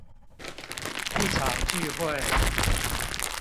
一場聚會